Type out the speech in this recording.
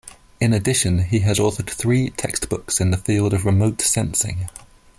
In addition, he has authored three textbooks in the field of remote sensing.